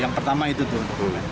yang pertama itu dulu